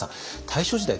大正時代